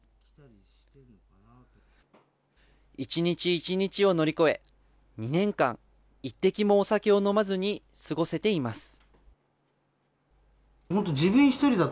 一日一日を乗り越え、２年間、一滴もお酒を飲まずに過ごせています。